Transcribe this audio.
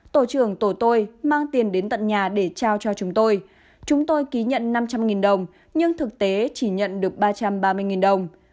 tổ trưởng tổ tôi mang tiền đến tận nhà để trao cho chúng tôi chúng tôi ký nhận năm trăm linh đồng nhưng thực tế chỉ nhận được ba trăm ba mươi đồng